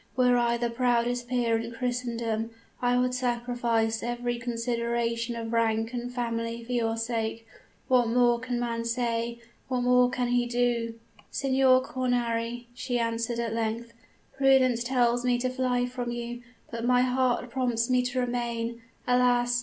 Were I the proudest peer in Christendom, I would sacrifice every consideration of rank and family for your sake. What more can man say? What more can he do?' "'Signor Cornari,' she answered at length, 'prudence tells me to fly from you; but my heart prompts me to remain. Alas!